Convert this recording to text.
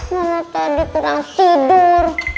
mama tadi kurang tidur